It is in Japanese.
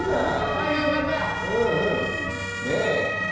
鯛がよかった！